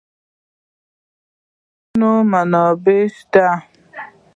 په افغانستان کې د غرونه منابع شته.